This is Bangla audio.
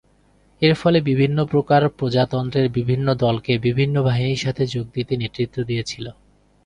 এর ফলে বিভিন্ন প্রকার প্রজাতন্ত্রের বিভিন্ন দলকে বিভিন্ন বাহিনীর সাথে যোগ দিতে নেতৃত্ব দিয়েছিল।